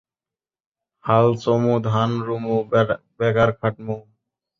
হাল চমু, ধান রুমু, ব্যাগার খাডমু ।